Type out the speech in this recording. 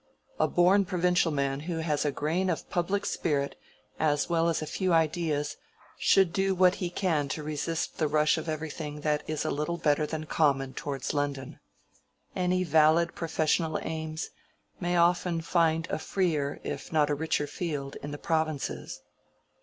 A born provincial man who has a grain of public spirit as well as a few ideas, should do what he can to resist the rush of everything that is a little better than common towards London. Any valid professional aims may often find a freer, if not a richer field, in the provinces."